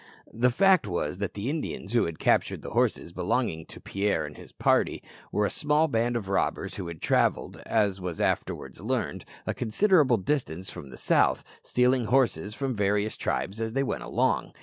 The fact was that the Indians who had captured the horses belonging to Pierre and his party were a small band of robbers who had travelled, as was afterwards learned, a considerable distance from the south, stealing horses from various tribes as they went along.